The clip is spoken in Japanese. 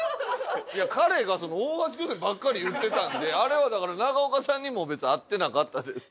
いや彼が「大橋巨泉」ばっかり言ってたんであれはだから中岡さんにも別に合ってなかったです。